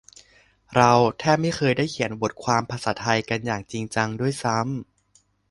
เราแทบไม่เคยได้เขียนบทความภาษาไทยกันอย่างจริงจังด้วยซ้ำ